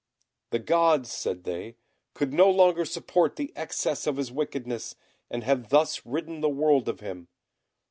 "The gods," said they, "could no longer support the excess of his wickedness, and have thus ridden the world of him.